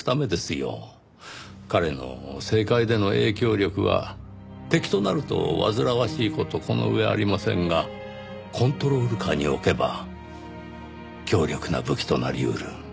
彼の政界での影響力は敵となると煩わしい事この上ありませんがコントロール下に置けば強力な武器となり得る。